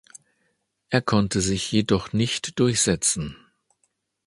Er konnte sich jedoch nicht durchsetzen.